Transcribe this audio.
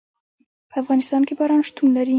په افغانستان کې باران شتون لري.